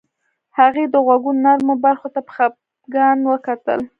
هغې د غوږونو نرمو برخو ته په خفګان وکتل